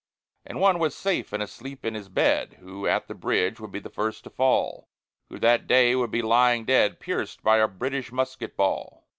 And one was safe and asleep in his bed Who at the bridge would be first to fall, Who that day would be lying dead, Pierced by a British musket ball.